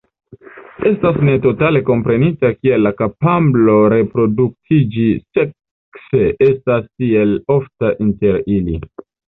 Estas ne totale komprenita kial la kapablo reproduktiĝi sekse estas tiel ofta inter ili.